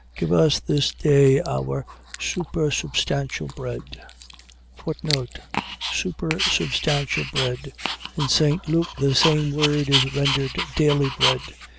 6:11. Give us this day our supersubstantial bread. Supersubstantial bread. . .In St. Luke the same word is rendered daily bread.